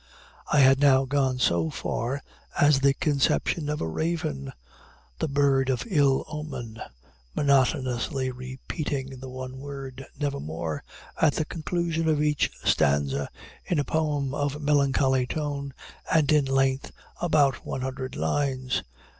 I had now gone so far as the conception of a Raven the bird of ill omen monotonously repeating the one word, "Nevermore," at the conclusion of each stanza, in a poem of melancholy tone, and in length about one hundred lines.